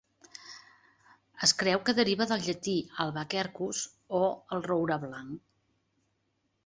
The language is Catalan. Es creu que deriva del llatí, "alba quercus", o "el roure blanc".